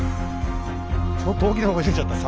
ちょっと大きな声出ちゃった。